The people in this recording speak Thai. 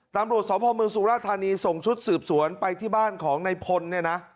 ตำรวจสพเมืองสุราธานีส่งชุดสืบสวนไปที่บ้านของในพลเนี่ยนะ